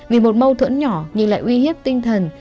vì một mâu thuẫn nhỏ nhưng lại uy hiếp tinh thần